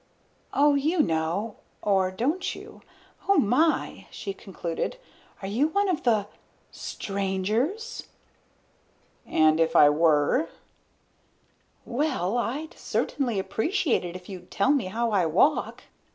"Oh, you know or don't you? Oh, my," she concluded, "are you one of the strangers?" "And if I were?" "Well, I'd certainly appreciate it if you'd tell me how I walk."